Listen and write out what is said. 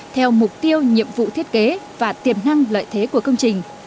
theo mục tiêu nhiệm vụ thiết kế và tiềm năng lợi thế của công trình